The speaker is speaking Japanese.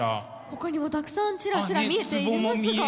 ほかにもたくさんちらちら見えていますが。